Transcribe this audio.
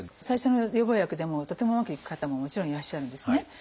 最初の予防薬でもとてもうまくいく方ももちろんいらっしゃるんですね。